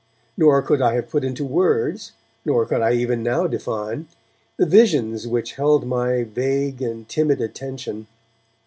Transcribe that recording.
Nor could I have put into words, nor can I even now define, the visions which held my vague and timid attention.